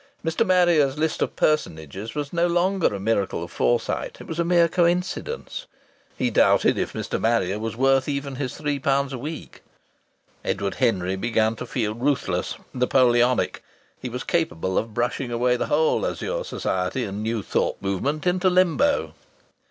Mr. Marrier's list of personages was no longer a miracle of foresight; it was a mere coincidence. He doubted if Mr. Marrier was worth even his three pounds a week. Edward Henry began to feel ruthless, Napoleonic. He was capable of brushing away the whole Azure Society and New Thought movement into limbo.